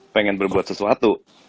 pengen berbuat sesuatu